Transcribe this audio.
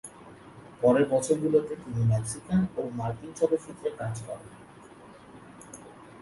পরের বছরগুলোতে তিনি মেক্সিকান ও মার্কিন চলচ্চিত্রে কাজ করেন।